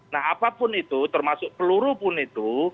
nah apapun itu termasuk peluru pun itu